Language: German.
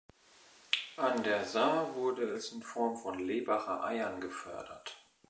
An der Saar wurde es in Form von Lebacher Eiern gefördert.